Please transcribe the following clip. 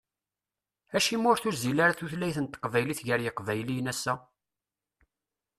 Acimi ur tuzzil ara tutlayt n teqbaylit gar yiqbayliyen ass-a?